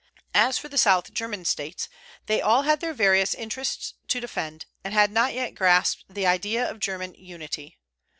As for the South German States, they all had their various interests to defend, and had not yet grasped the idea of German unity.